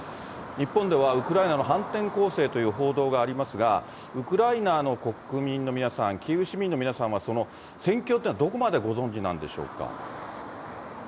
日本ではウクライナの反転攻勢という報道がありますが、ウクライナの国民の皆さん、キーウ市民の皆さんは、その戦況というのは、どこまでご存じなんでしょうか。